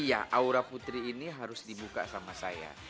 iya aura putri ini harus dibuka sama saya